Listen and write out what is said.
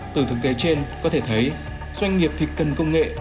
từ thực tế trên có thể thấy doanh nghiệp thì cần công nghệ